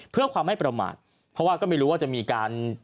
เพื่อความไม่ประมาทเพราะว่าก็ไม่รู้ว่าจะมีการ